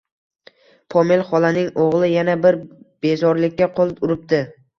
Pomel xolaning o`g`li yana bir bezorilikka qo`l uribdi